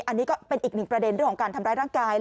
อันนี้ก็เป็นอีกหนึ่งประเด็นเรื่องของการทำร้ายร่างกาย